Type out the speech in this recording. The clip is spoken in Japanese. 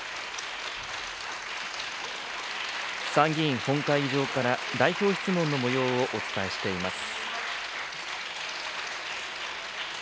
参議院本会議場から代表質問のもようをお伝えしています。